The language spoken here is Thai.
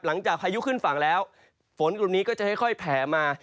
พายุขึ้นฝั่งแล้วฝนกลุ่มนี้ก็จะค่อยแผลมา